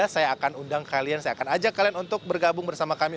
saya akan undang kalian saya akan ajak kalian untuk bergabung bersama kami